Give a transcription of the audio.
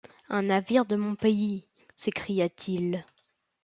Un navire de mon pays! s’écria-t-il.